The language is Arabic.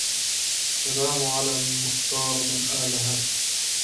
سلام على المختار من آل هاشم